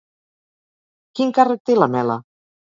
Quin càrrec té Lamela?